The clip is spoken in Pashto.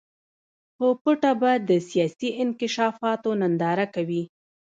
په پټه به د سیاسي انکشافاتو ننداره کوي.